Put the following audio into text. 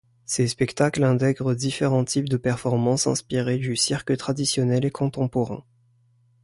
Ces spectacles intègrent différents types de performances inspirées du cirque traditionnel et contemporain.